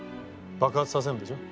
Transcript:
爆発させるんでしょ？